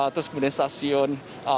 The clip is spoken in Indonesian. terus kemudian stasiun